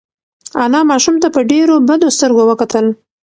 انا ماشوم ته په ډېرو بدو سترګو وکتل.